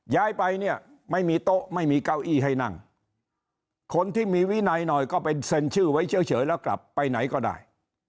ย้ายไปเนี่ยไม่มีโต๊ะไม่มีเก้าอี้ให้นั่งคนที่มีวินัยหน่อยก็ไปเซ็นชื่อไว้เฉยแล้วกลับไปไหนก็ได้